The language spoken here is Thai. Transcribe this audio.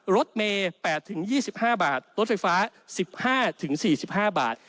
รถเมย์๘๒๕บาทรถไฟฟ้า๑๕๔๕บาท